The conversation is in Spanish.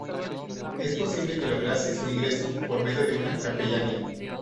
Es posible que lograse su ingreso por medio de una capellanía.